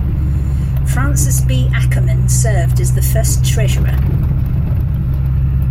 Frances B. Ackerman served as the first Treasurer.